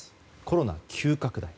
コロナ急拡大。